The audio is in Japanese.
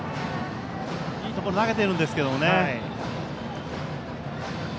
いいところに投げているんですけどね。